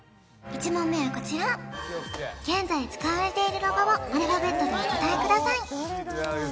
１問目はこちら現在使われているロゴをアルファベットでお答えください